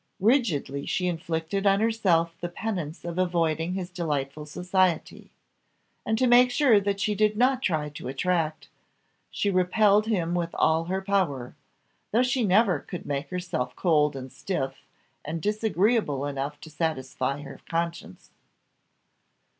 Rigidly she inflicted on herself the penance of avoiding his delightful society, and to make sure that she did not try to attract, she repelled him with all her power thought she never could make herself cold, and stiff, and disagreeable enough to satisfy her conscience.